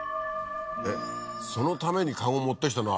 えっそのために駕籠持ってきたの？